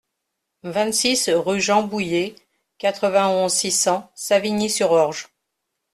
vingt-six rue Jean Bouyer, quatre-vingt-onze, six cents, Savigny-sur-Orge